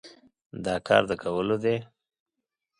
دا کار د کولو دی؟